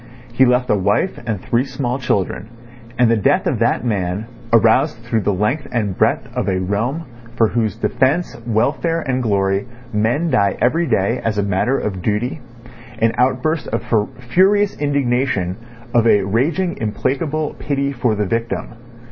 He left a wife and three small children, and the death of that man aroused through the length and breadth of a realm for whose defence, welfare, and glory men die every day as matter of duty, an outburst of furious indignation, of a raging implacable pity for the victim.